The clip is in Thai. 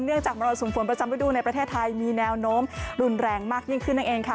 จากมรสุมฝนประจำฤดูในประเทศไทยมีแนวโน้มรุนแรงมากยิ่งขึ้นนั่นเองค่ะ